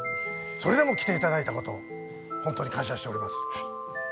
それでも来ていただいたこと、本当に感謝しております。